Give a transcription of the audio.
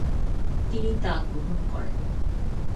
তিনি তা গ্রহণ করেন।